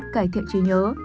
ba cải thiện trí nhớ